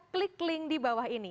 klik link di bawah ini